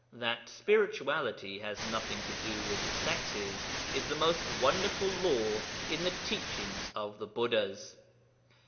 That spirituality has nothing to do with the sexes is the most wonderful law in the teachings of the Buddhas.'